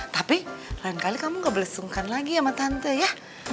tapi barangkali kamu gak boleh sungkan lagi sama tante ya